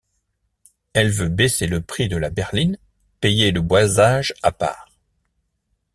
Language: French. Elle veut baisser le prix de la berline, payer le boisage à part.